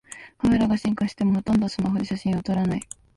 カメラが進化してもほとんどスマホで写真を撮らない